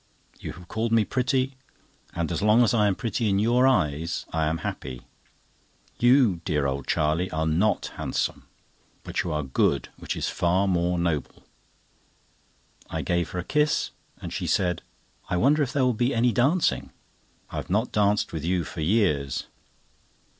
You have called me pretty; and as long as I am pretty in your eyes, I am happy. You, dear old Charlie, are not handsome, but you are good, which is far more noble." I gave her a kiss, and she said: "I wonder if there will be any dancing? I have not danced with you for years."